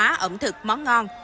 văn hóa ẩm thực món ngon